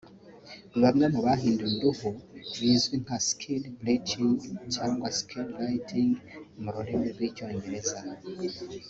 Bamwe mu bahinduye uruhu bizwi nka skin bleaching cyangwa Skin Lighting mu rurimi rw’icyongereza